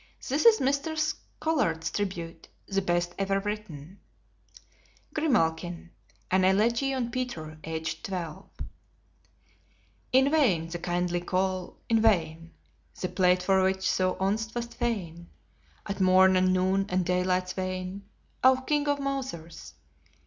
This is Mr. Scollard's tribute, the best ever written: GRIMALKIN AN ELEGY ON PETER, AGED TWELVE In vain the kindly call: in vain The plate for which thou once wast fain At morn and noon and daylight's wane, O King of mousers.